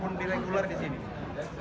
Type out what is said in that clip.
dan ini adalah senjata yang sangat berharga